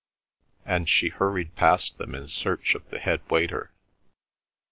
And she hurried past them in search of the head waiter.